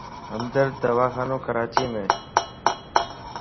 ھمدرد دواخانو ڪراچيم